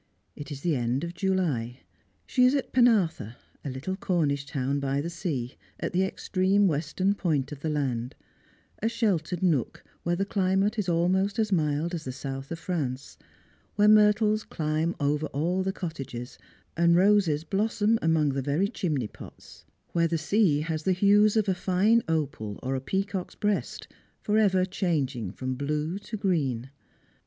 It is the end of July. She is at Penarthur, a little Cornish town by the sea, at the extreme western point of the land, a sheltered nook where the climate is almost as mild as the south of France ; where myrtles climb over all the cottages, and roses blossom among the very chimney pots; where the sea has the hues of a fine opal or a peacock's breast, for ever changing from blue to green.